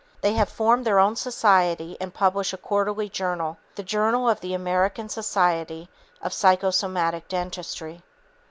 They have formed their own society and publish a quarterly journal, The Journal of the American Society of Psychosomatic Dentistry.